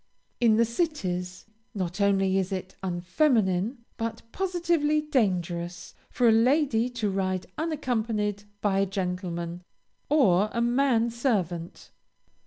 In the cities, not only is it unfeminine, but positively dangerous, for a lady to ride unaccompanied by a gentleman, or a man servant.